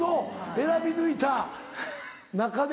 選び抜いた中で。